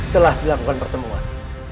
telah dilakukan pertemuan